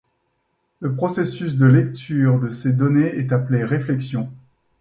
Le processus de lecture de ces données est appelé réflexion.